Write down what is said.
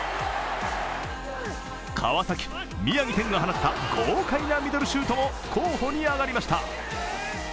川崎・宮城天が放った豪快なミドルシュートも候補に挙がりました。